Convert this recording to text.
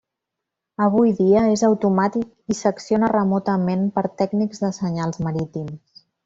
Avui dia és automàtic i s'acciona remotament per tècnics de senyals marítims.